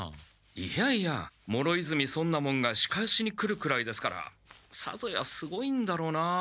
いやいや諸泉尊奈門が仕返しに来るくらいですからさぞやすごいんだろうな。